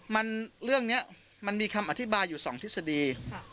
มันเรื่องนี้มันมีคำอธิบายอยู่สองทฤษฎี